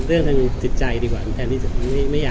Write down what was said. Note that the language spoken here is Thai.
อื้อก็มันก็ต้องมีให้กันอยู่แล้วค่ะใช่ค่ะ